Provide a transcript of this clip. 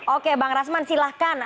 oke bang rasman silahkan